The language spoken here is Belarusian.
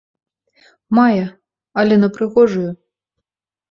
Мае, але на прыгожую!